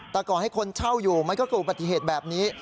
แต่ก่อนให้คนเช่าอยู่มันก็เกิดอุบัติเหตุแบบนี้